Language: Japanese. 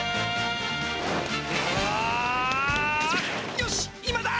よしっ今だ！